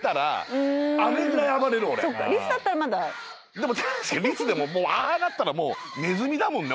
でもリスでもああなったらネズミだもんね。